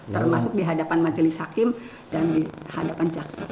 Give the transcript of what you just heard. termasuk di hadapan majelis hakim dan di hadapan jaksa